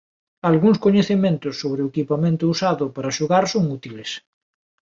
Algúns coñecementos sobre o equipamento usado para xogar son útiles.